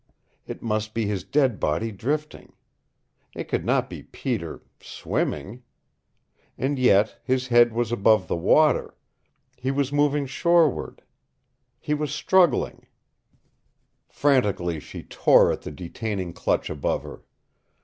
It must be his dead body drifting. It could not be Peter swimming! And yet his head was above the water he was moving shoreward he was struggling Frantically she tore at the detaining clutch above her.